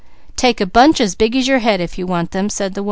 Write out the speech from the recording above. "Take a bunch as big as your head if you want them."